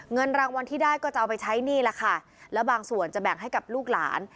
เงินรางวัลที่ได้ก็จะเอาไปใช้หนี้ล่ะค่ะแล้วบางส่วนจะแบ่งให้กับลูกหลาน